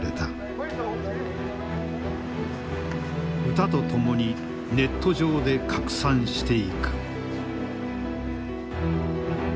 歌と共にネット上で拡散していく。